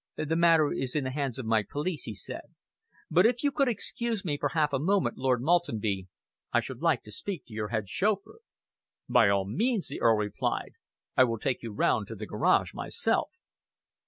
"The matter is in the hands of my police," he said, "but if you could excuse me for half a moment, Lord Maltenby, I should like to speak to your head chauffeur." "By all means," the Earl replied. "I will take you round to the garage myself."